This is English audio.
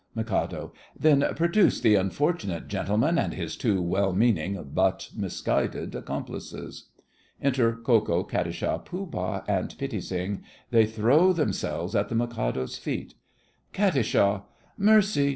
MIK. Then produce the unfortunate gentleman and his two well meaning but misguided accomplices. Enter Ko Ko, Katisha, Pooh Bah, and Pitti Sing. They throw themselves at the Mikado's feet KAT. Mercy!